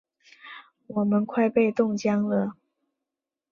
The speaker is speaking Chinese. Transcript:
我们快被冻僵了！